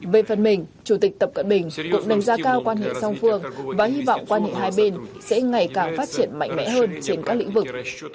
về phần mình chủ tịch tập cận bình cũng đánh giá cao quan hệ song phương và hy vọng quan hệ hai bên sẽ ngày càng phát triển mạnh mẽ hơn trên các lĩnh vực